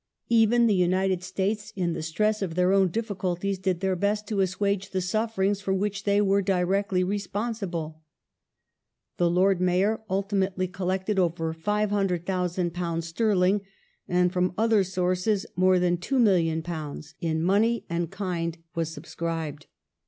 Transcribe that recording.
Even the United States, in the stress of their own difficulties, did their best to assuage the suffering for which they were directly re sponsible. The Lord Mayor ultimately collected over £500,000 sterling, and from other sources more than £2,000,000 in money and kind was subscribed.